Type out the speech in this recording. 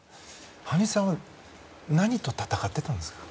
羽生さんは何と闘ってたんですか。